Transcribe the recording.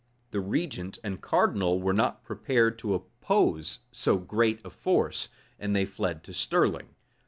The regent and cardinal were not prepared to oppose so great a force, and they fled to Stirling.